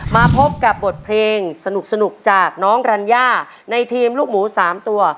มาพบกับบทเพลงสนุกจากน้องรัญญาในทีมลูกหมู๓ตัว